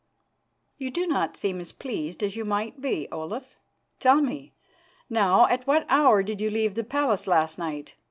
"You do not seem as pleased as you might be, Olaf. Tell me, now, at what hour did you leave the palace last night?